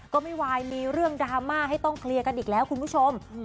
ก็ไม่ไหวมีเรื่องดราม่าให้ต้องเคลียร์กันอีกแล้วคุณผู้ชม